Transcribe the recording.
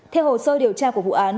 theo hồ sơ điều tra của vụ án